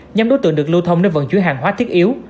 nhóm đối tượng được lưu thông để vận chuyển hàng hóa thiết yếu